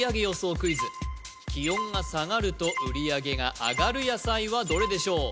クイズ気温が下がると売り上げが上がる野菜はどれでしょう